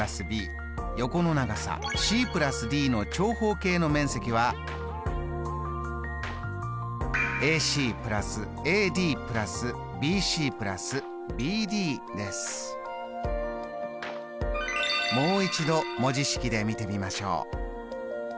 ｂ横の長さｃ＋ｄの長方形の面積はもう一度文字式で見てみましょう。